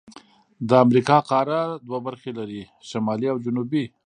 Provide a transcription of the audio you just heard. د امریکا قاره دوه برخې لري: شمالي او جنوبي.